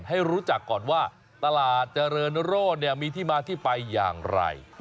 ให้รู้จักก่อนว่าตลาดเจริญโรธมีที่มาที่ไปอย่างไร